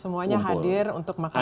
semuanya hadir untuk makan malam